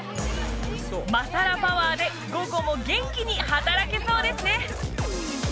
マサラパワーで午後も元気に働けそうですね